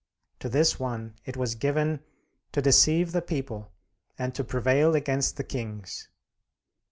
To this one it was given to deceive the people and to prevail against the kings.